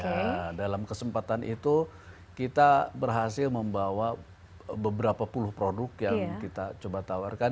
nah dalam kesempatan itu kita berhasil membawa beberapa puluh produk yang kita coba tawarkan